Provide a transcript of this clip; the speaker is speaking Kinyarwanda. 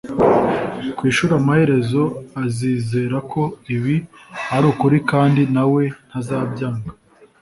ku ishuri amaherezo azizera ko ibi ari ukuri kandi nawe ntazabyanga